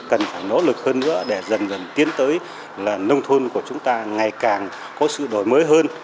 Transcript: cần phải nỗ lực hơn nữa để dần dần tiến tới là nông thôn của chúng ta ngày càng có sự đổi mới hơn